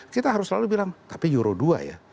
kita harus selalu bilang tapi euro dua ya